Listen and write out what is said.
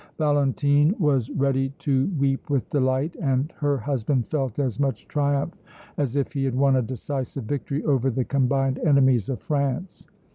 Valentine was ready to weep with delight and her husband felt as much triumph as if he had won a decisive victory over the combined enemies of France.